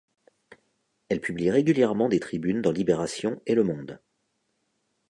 Elle publie régulièrement des tribunes dans Libération et Le Monde.